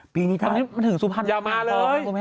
พี่ชาวมันถึงสุพรรณอย่ามาเลย